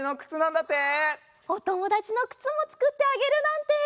おともだちのくつもつくってあげるなんて。